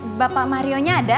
eut k r pahek jenaka u